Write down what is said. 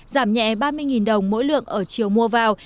giảm nhẹ ba mươi đồng mỗi lượng ở chiều mua vào